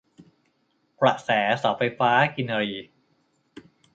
กระแสเสาไฟฟ้ากินรี